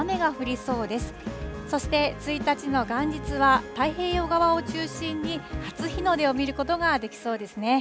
そして、１日の元日は太平洋側を中心に、初日の出を見ることができそうですね。